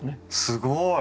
すごい！